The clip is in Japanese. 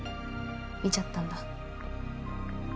見ちゃったんだ。